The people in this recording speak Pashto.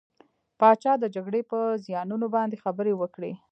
پاچا د جګرې په زيانونو باندې خبرې وکړې .